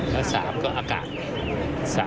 แล้วสามก็อากาศ